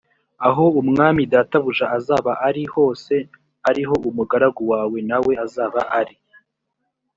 aho umwami databuja azaba ari hose ari ho umugaragu wawe na we azaba ari